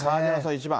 １番。